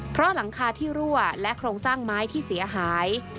เพราะหลังคาที่รั่วและโครงสร้างไม้ที่เสียหาย